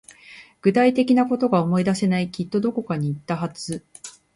具体的なことが思い出せない。きっとどこかに行ったはず。